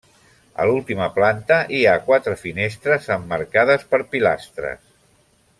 A l'última planta hi ha quatre finestres emmarcades per pilastres.